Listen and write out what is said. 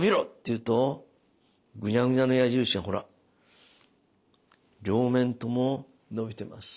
言うとグニャグニャの矢印がほら両面とも伸びてます。